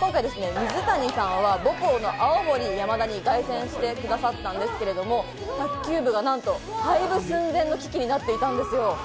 今回水谷さんは母校の青森山田に凱旋してくださったんですけれども、卓球部がなんと廃部寸前の危機になっていたんですよ。